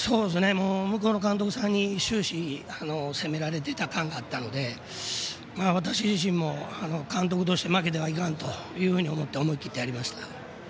向こうの監督さんに終始攻められてた感があったので私自身も監督として負けてはいかんと思って思い切ってやりました。